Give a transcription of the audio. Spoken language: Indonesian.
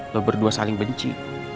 lo berdua saling benci